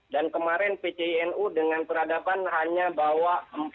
dan kemarin pcinu dengan peradaban hanya bawa empat puluh